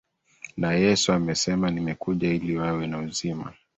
na yesu amesema nimekuja ili wawe na uzima